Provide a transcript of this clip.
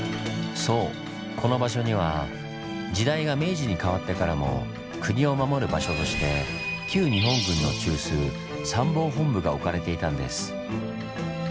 そうこの場所には時代が明治に変わってからも国を守る場所として旧日本軍の中枢参謀本部が置かれていたんです。